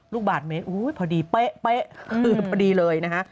ลูกบาทเมตรพอดีเป๊ะพอดีเลยนะฮะ